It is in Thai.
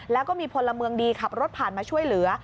แล้วก็มีพลเมืองดีขับรถผ่านมาช่วยเหลือ